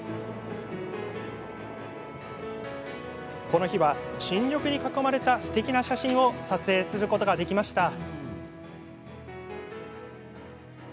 この日は新緑に囲まれたすてきな写真を撮影することができました。